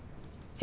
え？